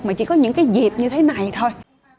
mà chỉ có những cái dịp như thế này thôi